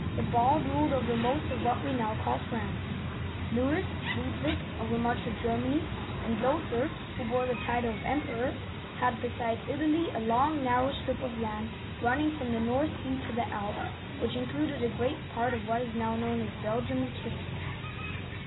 the Bald, ruled over most of what we now call France ; Louis (Lud wig) over much of Germany ; and Lothair —^ who bore the title of Emperor :— had, besides Italy, a long, narrow strip of land running from the North Sea to the Alps, which included a great part of what is now known as Belgium and Switzerland.